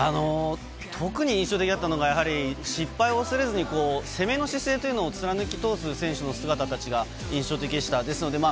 特に印象的だったのが、失敗を恐れずに、攻めの姿勢を貫き通す選手たちの姿が印象的でした。